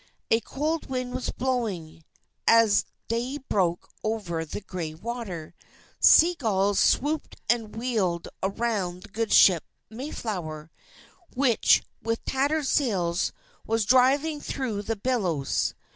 A cold wind was blowing, as day broke over the gray water. Sea gulls swooped and wheeled around the good ship Mayflower, which, with tattered sails, was driving through the billows.